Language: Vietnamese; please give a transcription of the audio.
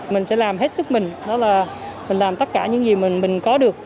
mình sẽ làm hết sức mình đó là mình làm tất cả những gì mình có được